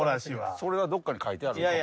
それはどっかに書いてあるんですか？